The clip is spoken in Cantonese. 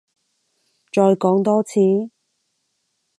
再講多次？